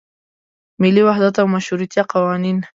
ملي وحدت او مشروطیه قوانین.